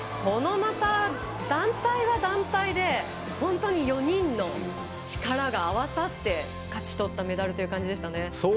また、団体は団体で本当に４人の力が合わさって勝ち取ったメダルという感じがしましたね。